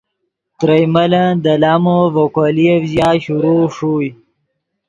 ترئے ملن دے لامو ڤے کولییف ژیا شروع ݰوئے۔